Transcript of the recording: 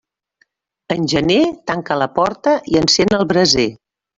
En gener, tanca la porta i encén el braser.